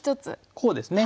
こうですね。